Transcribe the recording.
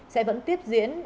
sẽ vẫn tiếp diễn